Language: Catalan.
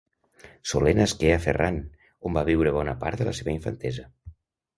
Soler nasqué a Ferran, on va viure bona part de la seva infantesa.